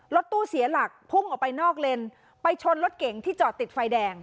รถตู้เสียหลักพุ่งออกไปนอกเลนไปชนรถเก๋งที่จอดติดไฟแดง